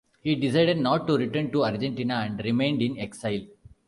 He decided not to return to Argentina and remained in exile.